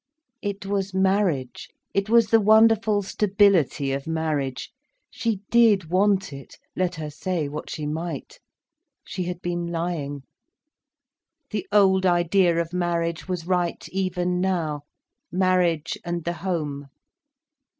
It was marriage—it was the wonderful stability of marriage. She did want it, let her say what she might. She had been lying. The old idea of marriage was right even now—marriage and the home.